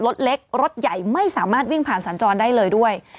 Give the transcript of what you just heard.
รถเล็กรถใหญ่ไม่สามารถวิ่งผ่านสัญจรได้เลยด้วย